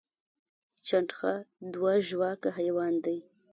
چنډخه دوه ژواکه حیوان دی